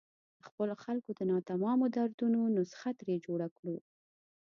د خپلو خلکو د ناتمامو دردونو نسخه ترې جوړه کړو.